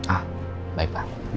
ah baik pak